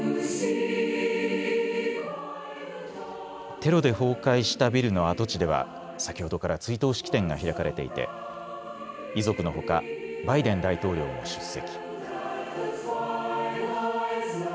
テロで崩壊したビルの跡地では先ほどから追悼式典が開かれていて遺族のほかバイデン大統領も出席。